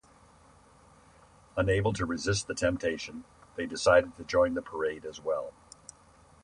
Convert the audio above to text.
Unable to resist the temptation, they decided to join the parade as well.